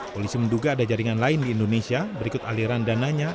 polisi menduga ada jaringan lain di indonesia berikut aliran dananya